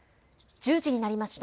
１０時になりました。